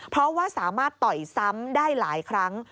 เพราะว่าสามารถต่อยซ้ำได้หลายครั้ง